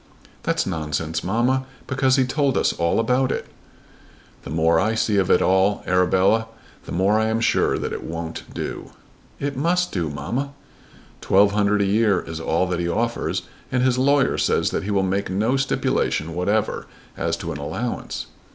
"That's nonsense, mamma, because he told us all about it." "The more I see of it all, Arabella, the more sure I am that it won't do." "It must do, mamma." "Twelve hundred a year is all that he offers, and his lawyer says that he will make no stipulation whatever as to an allowance."